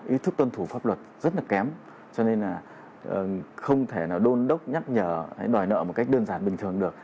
ý thức tuân thủ pháp luật rất là kém cho nên là không thể nào đôn đốc nhắc nhở đòi nợ một cách đơn giản bình thường được